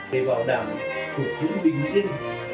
để bảo đảm cuộc sống bình yên